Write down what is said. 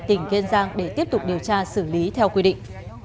tỉnh kiên giang để tiếp tục điều tra xử lý theo quy định